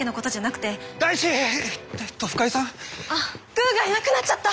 グーがいなくなっちゃった！